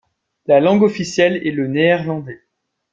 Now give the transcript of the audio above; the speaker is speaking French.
La langue officielle est le néerlandais.